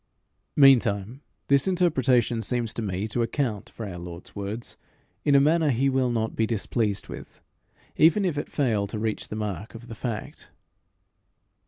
Meantime this interpretation seems to me to account for our Lord's words in a manner he will not be displeased with even if it fail to reach the mark of the fact.